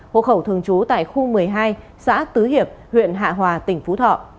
hộ khẩu thường trú tại khu một mươi hai xã tứ hiệp huyện hạ hòa tỉnh phú thọ